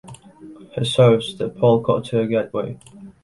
He serves the Paul-Courtier gateway.